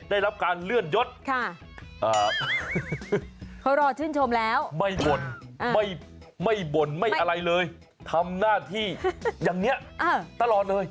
ได้รับการเลื่อนยศเขารอชื่นชมแล้วไม่บ่นไม่บ่นไม่อะไรเลยทำหน้าที่อย่างนี้ตลอดเลย